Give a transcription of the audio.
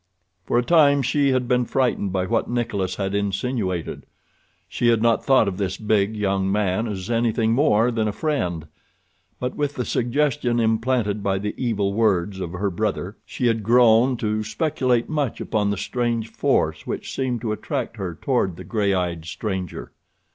For a time she had been frightened by what Nikolas had insinuated. She had not thought of this big, young man as anything more than friend, but with the suggestion implanted by the evil words of her brother she had grown to speculate much upon the strange force which seemed to attract her toward the gray eyed stranger.